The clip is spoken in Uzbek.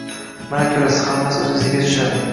Mana ko`rasiz, hammasi o`z iziga tushadi